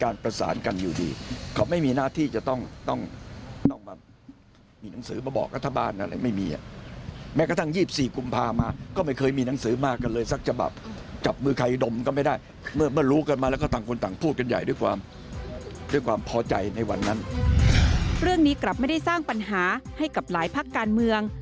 เรื่องนี้กลับไม่ได้สร้างปัญหาให้กับหลายพักการเมือง